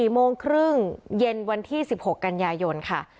๔โมงครึ่งเย็นวันที่๑๖กันยายนค่ะ